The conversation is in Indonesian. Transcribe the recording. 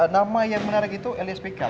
nama yang menarik itu elias pk